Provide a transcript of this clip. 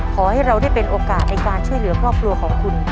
ขอให้เราได้เป็นโอกาสในการช่วยเหลือครอบครัวของคุณ